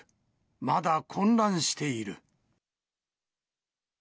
まだ混乱している。